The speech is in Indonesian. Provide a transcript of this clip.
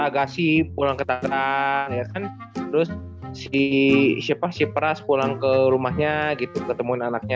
agasi pulang ke takan ya kan terus si siapa si pras pulang ke rumahnya gitu ketemu anaknya